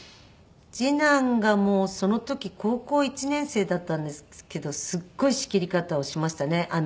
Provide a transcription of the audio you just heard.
次男がもうその時高校１年生だったんですけどすごい仕切り方をしましたね。